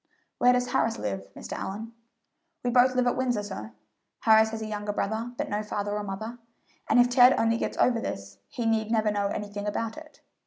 "Where does Harris live, Mr. Allyn?" "We both live at Windsor, sir; Harris has a younger brother, but no father or mother; and if Ted only gets over this, he need never know anything about it.